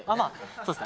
そうですね